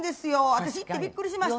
私行ってびっくりしました。